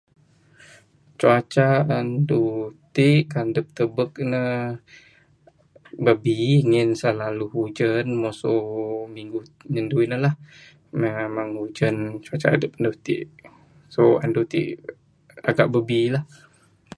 Cuaca andu ti ku tubek ne babbi ngin selalu hujan masu minggu nyandun ne lah. Ne memang ujan cuaca adep anu ti so andu ti agak babbi la.